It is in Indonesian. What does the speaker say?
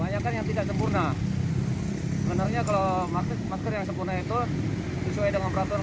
yang tidak sempurna sebenarnya kalau maksud masuk yang sempurna itu sesuai dengan peraturan